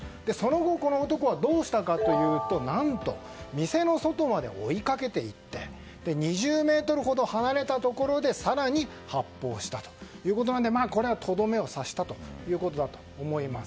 この男はどうしたかというと何と店の外まで追いかけていって２０ｍほど離れたところで更に発砲したということでこれは、とどめを刺したということだと思います。